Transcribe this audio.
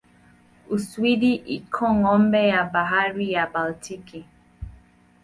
Uswidi iko ng'ambo ya bahari ya Baltiki.